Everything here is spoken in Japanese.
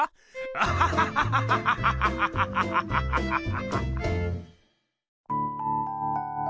アハハハハハハハハ！